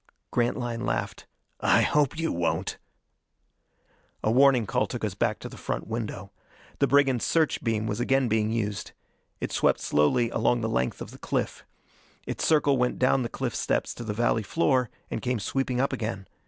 Grantline laughed, "I hope you won't!" A warning call took us back to the front window. The brigand's search beam was again being used. It swept slowly along the length of the cliff. Its circle went down the cliff steps to the valley floor, and came sweeping up again.